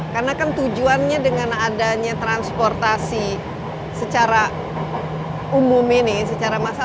karena kan tujuannya dengan adanya transportasi secara umum ini secara massal